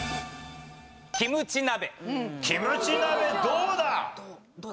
キムチ鍋どうだ？